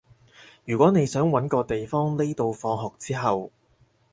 如果你想搵個地方匿到放學之後